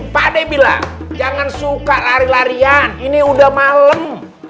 pak ade bilang jangan suka lari larian ini udah malem